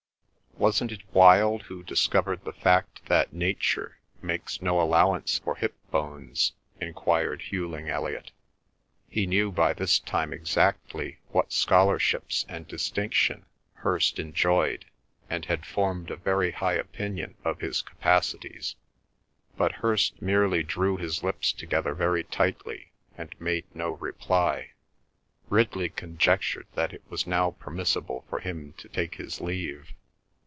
"Wasn't it Wilde who discovered the fact that nature makes no allowance for hip bones?" enquired Hughling Elliot. He knew by this time exactly what scholarships and distinction Hirst enjoyed, and had formed a very high opinion of his capacities. But Hirst merely drew his lips together very tightly and made no reply. Ridley conjectured that it was now permissible for him to take his leave.